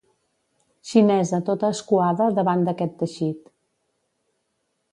Xinesa tota escuada davant d'aquest teixit.